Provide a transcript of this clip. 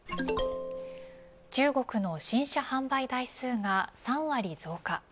中国の新車販売台数が３割増加。